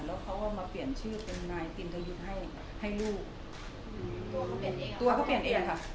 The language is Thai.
แล้วเขาก็มาเปลี่ยนชื่อเป็นนายตินทยุทธ์ให้ให้ลูกอืมตัวเขาเปลี่ยนเองตัวเขาเปลี่ยนเองค่ะ